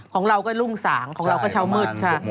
ของเราก็รุ่งสางของเราก็เช้ามืดค่ะ